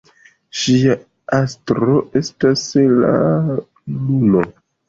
Ŝia astro estas la luno.